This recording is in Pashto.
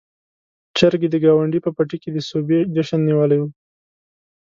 چرګې د ګاونډي په پټي کې د سوبې جشن نيولی و.